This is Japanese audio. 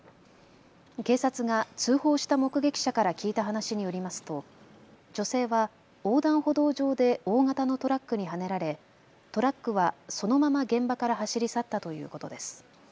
警察が通報した目撃者から聞いた話によりますと女性は横断歩道上で大型のトラックにはねられトラックはそのまま現場から走り去ったということです。